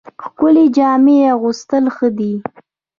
ښکلې جامې اغوستل ښه دي